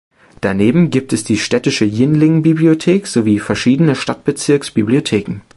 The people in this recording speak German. Daneben gibt es die städtische "Jinling-Bibliothek" sowie verschiedene Stadtbezirks-Bibliotheken.